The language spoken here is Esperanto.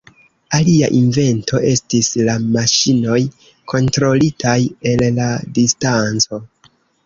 Alia invento estis la maŝinoj kontrolitaj el la distanco.